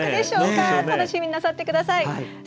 楽しみになさってください。